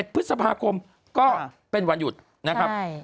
พฤษภาคมก็เป็นวันหยุดนะครับ